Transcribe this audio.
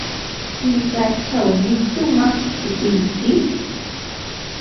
Qichwachawmi shumaq hutiyki.